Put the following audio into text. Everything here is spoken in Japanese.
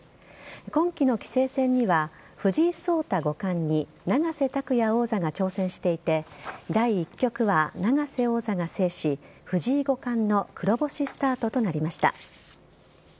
今期の棋聖戦には藤井聡太五冠に永瀬拓矢王座が挑戦していて第１局は永瀬王座が制し藤井五冠の黒星スタートとなりました。